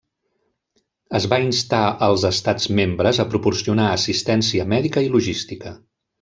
Es va instar els Estats membres a proporcionar assistència mèdica i logística.